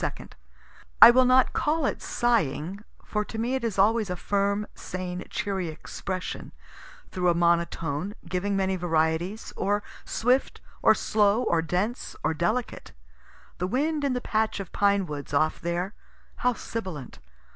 2) I will not call it sighing, for to me it is always a firm, sane, cheery expression, through a monotone, giving many varieties, or swift or slow, or dense or delicate. The wind in the patch of pine woods off there how sibilant.